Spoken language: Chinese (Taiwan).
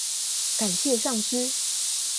感謝上師！